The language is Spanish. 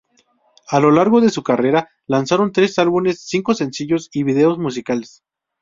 A lo largo de su carrera, lanzaron tres álbumes, cinco sencillos y vídeos musicales.